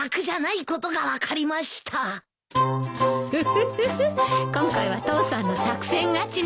フフフフ今回は父さんの作戦勝ちね。